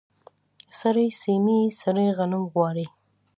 سړې سیمې سړې غنم غواړي.